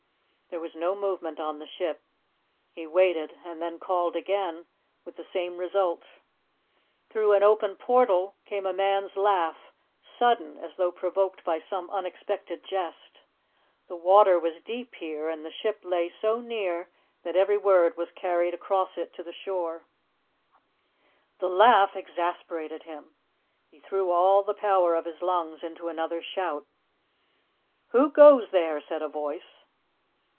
There was no movement on the ship. He waited, and then called again, with the same result. Through an open porthole came a man's laugh, sudden, as though provoked by some unexpected jest. The water was deep here, and the ship lay so near that every word was carried across it to the shore. The laugh exasperated him. He threw all the power of his lungs into another shout. "Who goes there?" said a voice.